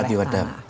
bisa di redam